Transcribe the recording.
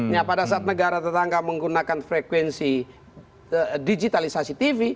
nah pada saat negara tetangga menggunakan frekuensi digitalisasi tv